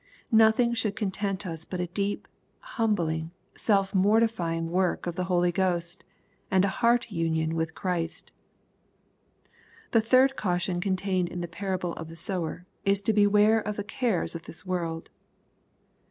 Nothing should content us but a deep, humbling, self mortifying work of the Holy Ghost, and a heart union with Christ. The third caution contained in the parable of the sower is to beware of the cares of this world.